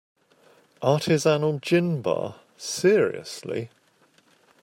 Artisanal gin bar, seriously?!